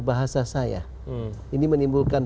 bahasa saya ini menimbulkan